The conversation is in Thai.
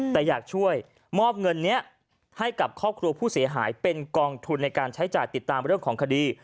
แต่อยากช่วยมอบเงินนี้ให้กับครอบครัวผู้เสียหายเป็นกองทุนในการใช้จ่ายติดตามเรื่องของคดี